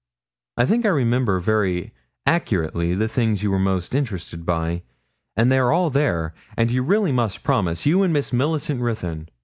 I think I remember very accurately the things you were most interested by, and they're all there; and really you must promise, you and Miss Millicent Ruthyn.